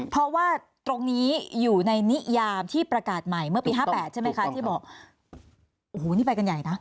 เพราะว่าตรงนี้อยู่ในนิยามที่ประกาศใหม่เมื่อปี๕๘ใช่ไหมคะที่บอกโอ้โหนี่ไปกันใหญ่นะ